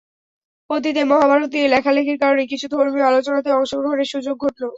অতীতে মহাভারত নিয়ে লেখালেখির কারণে কিছু ধর্মীয় আলোচনাতেও অংশগ্রহণের সুযোগ ঘটল।